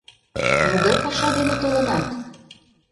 Могай паша дене толынат?